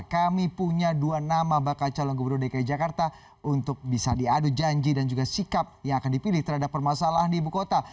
kami punya dua nama bakal calon gubernur dki jakarta untuk bisa diadu janji dan juga sikap yang akan dipilih terhadap permasalahan di ibu kota